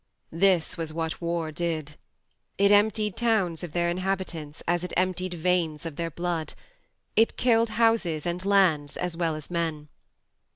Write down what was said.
This was what war did 1 It emptied towns of their inhabitants as it emptied veins of their blood ; it killed houses and lands as well as men.